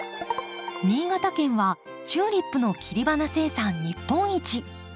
新潟県はチューリップの切り花生産日本一。